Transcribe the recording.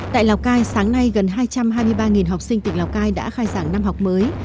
tại lào cai sáng nay gần hai trăm hai mươi ba học sinh tỉnh lào cai đã khai giảng năm học mới